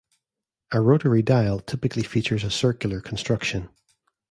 A rotary dial typically features a circular construction.